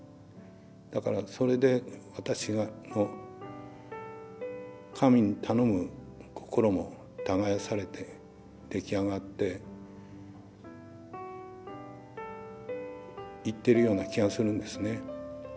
だからそれで私の神に頼む心も耕されて出来上がっていってるような気がするんですね。